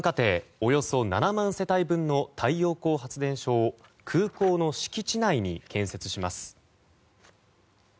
およそ７万世帯分の太陽光発電所を空港の敷地内に建設します。